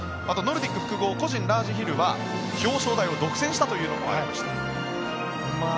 あとノルディック複合個人ラージヒルは表彰台を独占したということもありました。